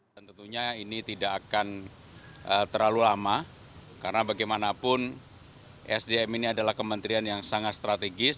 tentunya ini tidak akan terlalu lama karena bagaimanapun sdm ini adalah kementerian yang sangat strategis